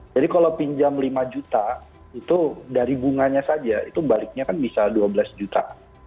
kalau pinjam lima juta itu dari bunganya saja itu baliknya kan bisa dua belas juta